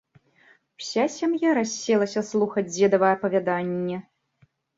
Уся сям'я расселася слухаць дзедава апавяданне.